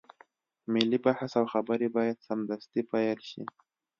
ملي بحث او خبرې بايد سمدستي پيل شي.